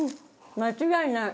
間違いない。